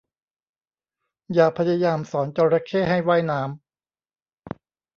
อย่าพยายามสอนจระเข้ให้ว่ายน้ำ